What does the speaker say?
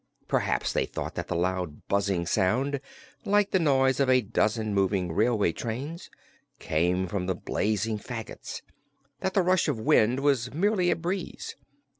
Perhaps they thought that the loud buzzing sound like the noise of a dozen moving railway trains came from the blazing fagots; that the rush of wind was merely a breeze.